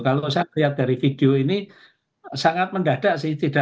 kalau saya melihat dari video ini sangat mendadak sih